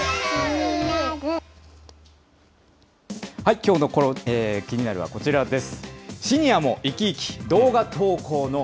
きょうのキニナル！はこちらです。